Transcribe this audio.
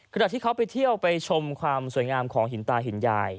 ขณะที่เขาไปเที่ยวไปชมความสวยงามของหินตาหินยาย